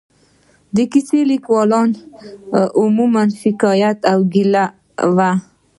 د کیسه لیکوالو عمومي شکایت او ګیله وه.